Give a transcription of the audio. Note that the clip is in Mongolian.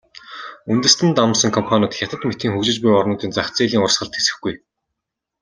Үндэстэн дамнасан компаниуд Хятад мэтийн хөгжиж буй орнуудын зах зээлийн урсгалд тэсэхгүй.